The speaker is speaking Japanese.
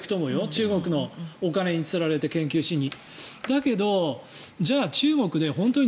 中国のお金につられて研究しに。